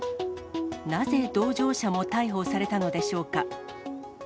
なぜ同乗者も逮捕されたのでしょうか。